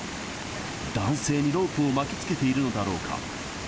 男性にロープを巻きつけているのだろうか。